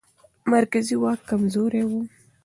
مرکزي واک کمزوری و.